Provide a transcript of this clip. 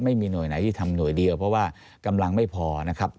ไม่มีหน่วยไหนที่ทำหน่วยเดียวเพราะว่ากำลังไม่พอนะครับ